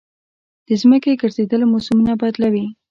د ځمکې ګرځېدل موسمونه بدلوي.